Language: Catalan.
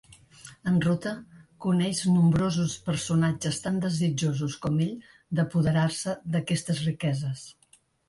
En ruta, coneix nombrosos personatges tan desitjosos com ell d'apoderar-se d'aquestes riqueses.